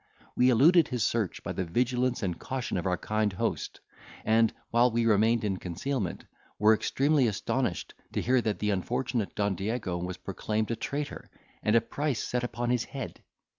"We eluded his search by the vigilance and caution of our kind host; and, while we remained in concealment, were extremely astonished to hear that the unfortunate Don Diego was proclaimed a traitor, and a price set upon his head.